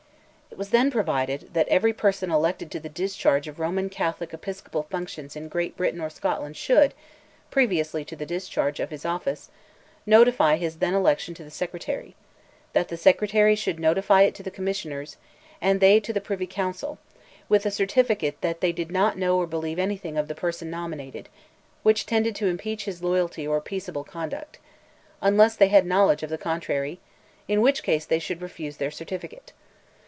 "It was then provided, that every person elected to the discharge of Roman Catholic episcopal functions in Great Britain or Scotland should, previously to the discharge of his office, notify his then election to the Secretary; that the Secretary should notify it to the Commissioners, and they to the Privy Council, with a certificate 'that they did not know or believe anything of the person nominated, which tended to impeach his loyalty or peaceable conduct;' unless they had knowledge of the contrary, in which case they should refuse their certificate.